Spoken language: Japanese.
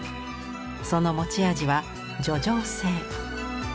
その持ち味は叙情性。